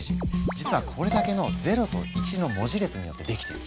実はこれだけの「０」と「１」の文字列によって出来ている。